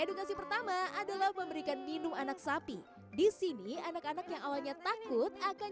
edukasi pertama adalah memberikan minum anak sapi disini anak anak yang awalnya takut akan